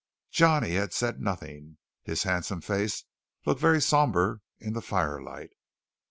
Johnny had said nothing. His handsome face looked very sombre in the firelight.